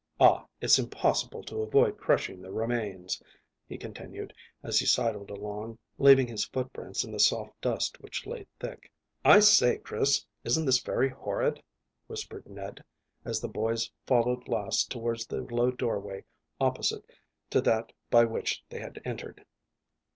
Ah! it's impossible to avoid crushing the remains," he continued, as he sidled along, leaving his footprints in the soft dust which lay thick. "I say, Chris, isn't this very horrid?" whispered Ned, as the boys followed last towards the low doorway opposite to that by which they had entered.